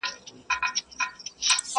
ګیدړ سمدستي پنیر ته ورحمله کړه؛